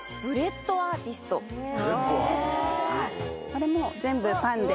これも全部パンで。